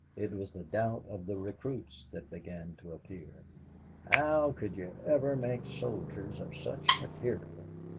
It was the doubt of the recruits that began to appear. "How could you ever make soldiers of such material?"